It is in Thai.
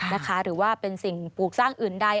หรือว่าเป็นสิ่งปลูกสร้างอื่นใด